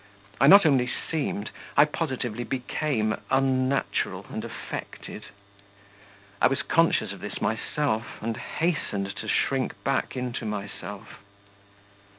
I not only seemed, I positively became unnatural and affected. I was conscious of this myself, and hastened to shrink back into myself.